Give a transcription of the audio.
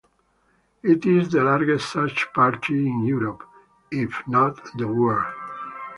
It is the largest such party in Europe, if not the world.